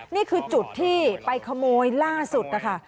นี่คือจุดที่ไปขโมยล่าสุดนะคะ